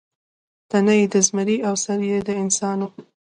تنه یې د زمري او سر یې د انسان و.